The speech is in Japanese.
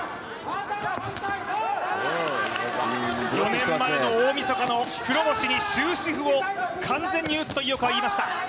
４年前の大みそかの黒星に終止符を完全に打つと、井岡は言いました。